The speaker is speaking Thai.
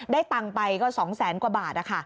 ได้ตังไปก็๒๐๐๐๐๐กว่าบาท